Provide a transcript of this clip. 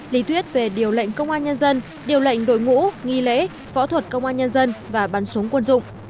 lý thuyết về điều lệnh công an nhân dân điều lệnh đội ngũ nghi lễ võ thuật công an nhân dân và bắn súng quân dụng